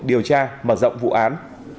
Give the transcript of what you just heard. điều tra mở rộng vụ án